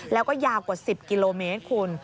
แล้วก็ยาวกว่า๑๐กิโลเมตรคุณ